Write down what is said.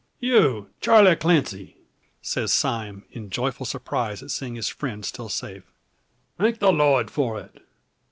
"You, Charley Clancy!" says Sime, in joyful surprise at seeing his friend still safe. "Thank the Lord for it!